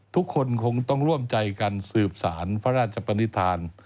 ทุกคนคงต้องร่วมใจกันสืบสารพระราชปนิษฐาน